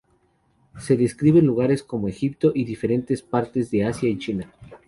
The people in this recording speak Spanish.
Se describen lugares como Egipto y diferentes partes de Asia y China.